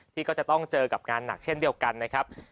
ที่ก็จะต้องเจอกับงานหนักเช่นเดียวกันนะครับ